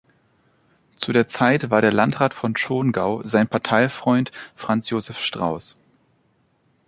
Zu der Zeit war der Landrat von Schongau sein Parteifreund Franz Josef Strauß.